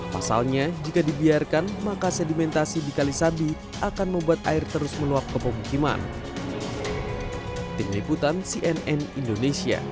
pasalnya jika dibiarkan maka sedimentasi di kalisabi akan membuat air terus meluap ke pemukiman